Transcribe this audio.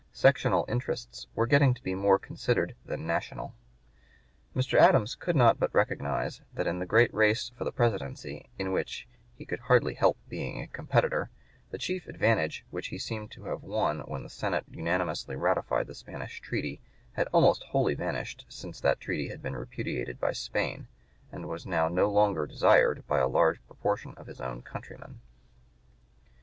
Sectional interests were getting to (p. 123) be more considered than national. Mr. Adams could not but recognize that in the great race for the Presidency, in which he could hardly help being a competitor, the chief advantage which he seemed to have won when the Senate unanimously ratified the Spanish treaty, had almost wholly vanished since that treaty had been repudiated by Spain and was now no longer desired by a large proportion of his own countrymen.